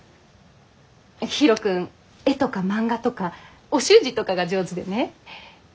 ヒロ君絵とか漫画とかお習字とかが上手でね。